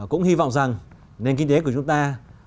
cũng hy vọng rằng nền kinh tế của chúng ta